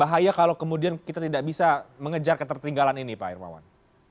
bahaya kalau kemudian kita tidak bisa mengejar ketertinggalan ini pak hermawan